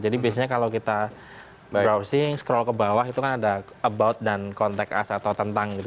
biasanya kalau kita browsing scroll ke bawah itu kan ada about dan konteks as atau tentang gitu